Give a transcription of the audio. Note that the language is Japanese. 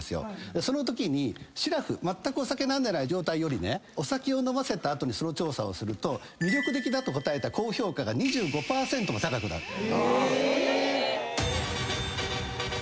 そのときにしらふまったくお酒飲んでない状態よりお酒を飲ませた後にその調査をすると魅力的だと答えた高評価が２５％も高くなった。